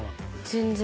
全然。